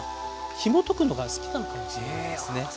ひもとくのが好きなのかもしれないですね。